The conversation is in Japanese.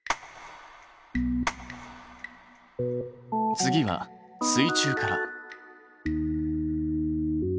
次は水中から。